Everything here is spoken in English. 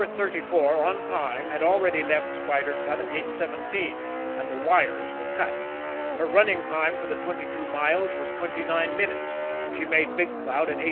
34, on time, had already left Spider Cut at 8.17 and the wires were cut. Her running time for the twenty two miles was twenty nine minutes she made Big Cloud at 8.